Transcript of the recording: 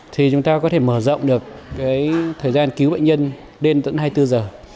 thì chúng ta có thể mở rộng được thời gian cứu bệnh nhân đến tận hai mươi bốn giờ